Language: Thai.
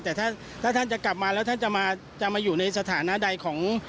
แต่ถ้าท่านจะกลับมาแล้วท่านจะมาอยู่ในสถานะใดของ